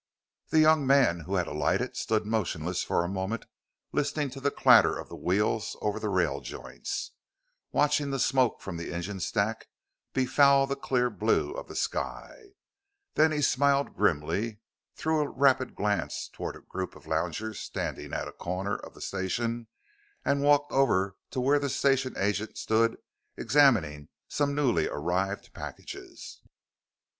The young man who had alighted stood motionless for a moment, listening to the clatter of the wheels over the rail joints, watching the smoke from the engine stack befoul the clear blue of the sky. Then he smiled grimly, threw a rapid glance toward a group of loungers standing at a corner of the station, and walked over to where the station agent stood examining some newly arrived packages.